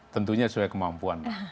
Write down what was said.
tentunya sesuai kemampuan